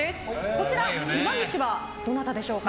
こちら、うま主はどなたでしょうか。